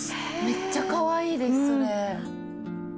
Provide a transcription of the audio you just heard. めっちゃかわいいですそれ。